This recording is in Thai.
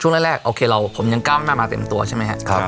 ช่วงแรกโอเคเราผมยังก้าวหน้ามาเต็มตัวใช่ไหมครับ